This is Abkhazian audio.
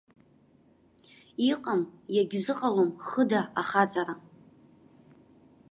Иҟам, иагьзыҟалом хыда ахаҵара!